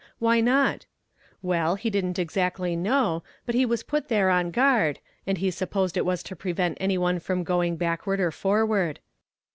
Why not? Well, he didn't exactly know, but he was put there on guard, and he supposed it was to prevent any one from going backward or forward.